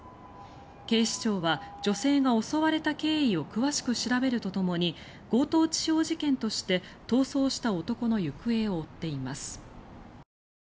警視庁は女性が襲われた経緯を詳しく調べるとともに強盗致傷事件として逃走した男の行方を追っています。